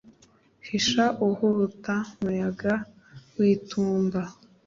Hisha uhuhuta wa muyaga witumba